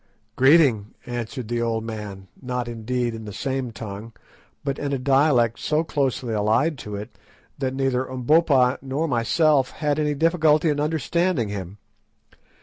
"Greeting," answered the old man, not, indeed, in the same tongue, but in a dialect so closely allied to it that neither Umbopa nor myself had any difficulty in understanding him.